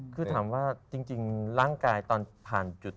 คือถามว่าจริงร่างกายตอนผ่านจุด